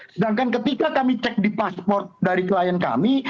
sedangkan ketika kami cek di pasport dari klien kami